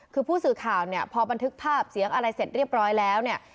คือผู้สื่อข่าวเนี่ยพอบันทึกภาพเสียงอะไรเสร็จเรียบร้อยแล้วเนี่ย